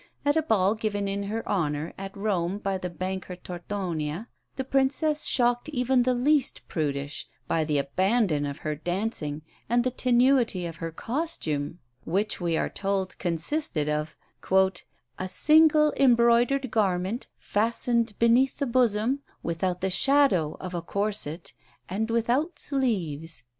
At a ball given in her honour at Rome by the banker Tortonia, the Princess shocked even the least prudish by the abandon of her dancing and the tenuity of her costume, which, we are told, consisted of "a single embroidered garment, fastened beneath the bosom, without the shadow of a corset and without sleeves."